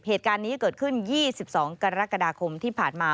เหตุการณ์นี้เกิดขึ้น๒๒กรกฎาคมที่ผ่านมา